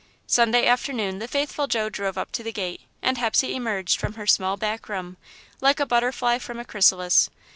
Sunday afternoon, the faithful Joe drove up to the gate, and Hepsey emerged from her small back room, like a butterfly from a chrysalis.